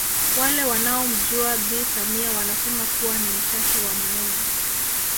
Wale wanaomjua Bi Samia wanasema kuwa ni mchache wa maneno